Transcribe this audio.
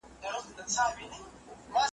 سياست د لومړي ځل لپاره په امريکا کي وده وکړه.